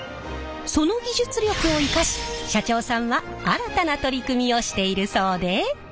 その技術力を生かし社長さんは新たな取り組みをしているそうで。